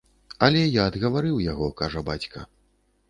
Але я адгаварыў яго, кажа бацька.